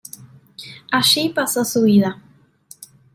Allí pasó su vida.